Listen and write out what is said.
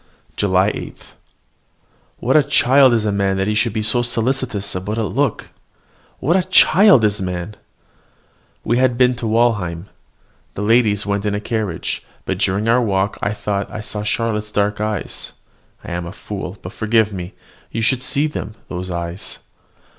JULY 8. What a child is man that he should be so solicitous about a look! What a child is man! We had been to Walheim: the ladies went in a carriage; but during our walk I thought I saw in Charlotte's dark eyes I am a fool but forgive me! you should see them, those eyes.